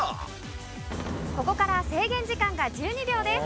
ここから制限時間が１２秒です。